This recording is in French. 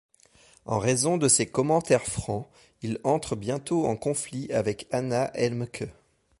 En raison de ses commentaires francs, il entre bientôt en conflit avec Hanna Helmke.